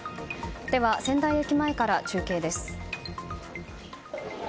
では仙台駅前から中継です。